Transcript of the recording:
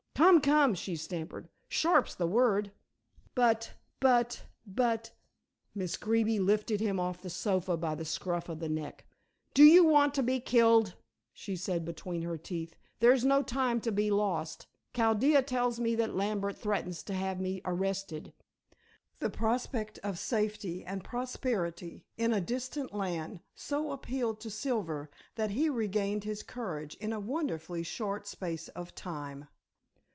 Come, come," she stamped, "sharp's the word." "But but but " Miss Greeby lifted him off the sofa by the scruff of the neck. "Do you want to be killed?" she said between her teeth, "there's no time to be lost. Chaldea tells me that Lambert threatens to have me arrested." The prospect of safety and prosperity in a distant land so appealed to Silver that he regained his courage in a wonderfully short space of time.